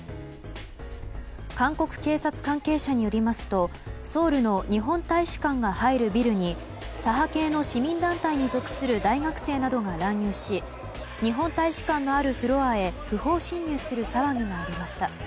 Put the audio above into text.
韓国警察関係者によりますとソウルの日本大使館が入るビルに左派系の市民団体に属する大学生などが乱入し日本大使館のあるフロアへ不法侵入する騒ぎがありました。